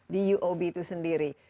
di uob itu sendiri